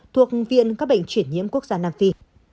thuộc viện các bệnh chuyển nhiễm quốc gia nam phi